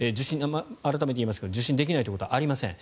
改めて言いますが受診できないということはありません。